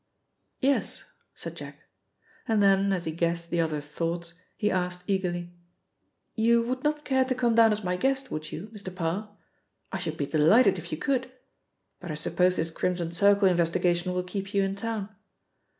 "Yes," said Jack, and then as he guessed the other's thoughts, he asked eagerly, "You would not care to come down as my guest, would you, Mr. Parr? I should be delighted if you could, but I suppose this Crimson Circle investigation will keep you in town."